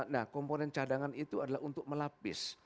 nah komponen cadangan itu adalah untuk melapis